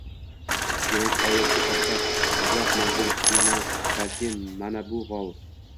Demak, g‘oya shu topda uzoq manzil emas, balki mana bu g‘ov!